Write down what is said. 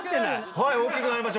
はい大きくなりました